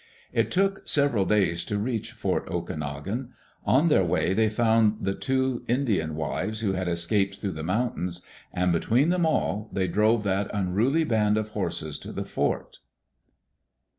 It took several days to reach Fort Okanogan. On their way they found the two Indian wives who had escaped through the mountains, and, between them all, they drove that unruly band of horses to the fort.